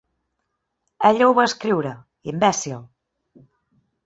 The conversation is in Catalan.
Ella ho va escriure, imbècil.